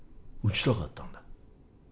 撃ちたかったんだ。